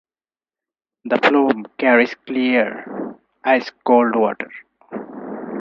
The flume carries clear, ice-cold water.